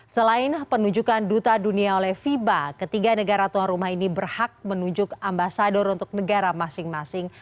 selain penunjukan duta dunia oleh fiba ketiga negara tuan rumah ini berhak menunjuk ambasador untuk negara masing masing